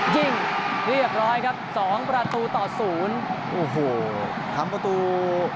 เรียบร้อยครับสองประตูต่อศูนย์โอ้โหทำประตู